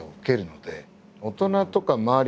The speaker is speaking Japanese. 大人とか周り